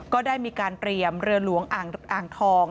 ก็ได้มีการเตรียมเรือหลวงอ่างทอง